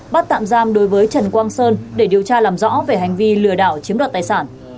bắt tạm giam đối với trần quang sơn để điều tra làm rõ về hành vi lừa đảo chiếm đoạt tài sản